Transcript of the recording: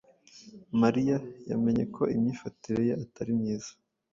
Mariya yamenye ko imyifatire ye atari myiza,